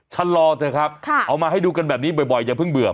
ชะลอเถอะครับเอามาให้ดูกันแบบนี้บ่อยอย่าเพิ่งเบื่อ